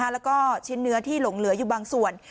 แล้วก็ชิ้นเนื้อที่หลงเหลืออยู่บางส่วน